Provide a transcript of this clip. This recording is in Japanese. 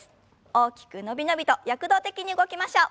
大きく伸び伸びと躍動的に動きましょう。